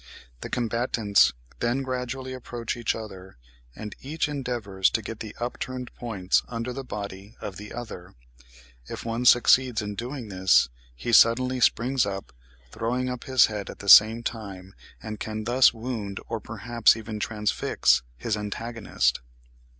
The combatants then gradually approach each other, and each endeavours to get the upturned points under the body of the other; if one succeeds in doing this, he suddenly springs up, throwing up his head at the same time, and can thus wound or perhaps even transfix his antagonist.